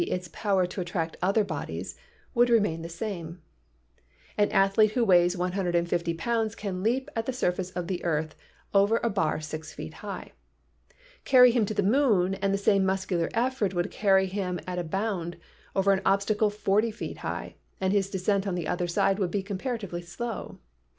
its power to attract other bodies — would remain the same. An athlete who weighs 150 pounds can leap at the sur face of the earth over a bar six feet high. Carry him to the moon and the same muscular effort would carry him at a bound over an obstacle forty feet high and his descent on the other side would be comparatively slow.